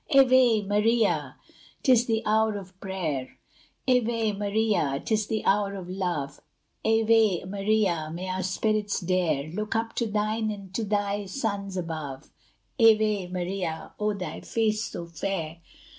Ave Maria! 'tis the hour of prayer! Ave Maria! 'tis the hour of love! Ave Maria! may our spirits dare Look up to thine and to thy Son's above! Ave Maria! oh that face so fair!